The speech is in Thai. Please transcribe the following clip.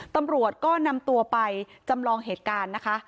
ตำรวจก็นำตัวไปจำลองเหตุการณ์นะคะ